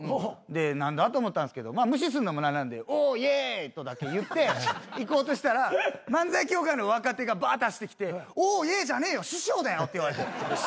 で何だ？と思ったんすけど無視するのも何なんで「オーイェーイ」とだけ言って行こうとしたら漫才協会の若手がバーッて走ってきて「オーイェーイじゃねえよ師匠だよ」って言われて。かと。